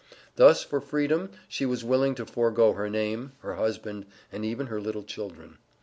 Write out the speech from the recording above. Thus for freedom she was willing to forego her name, her husband, and even her little children.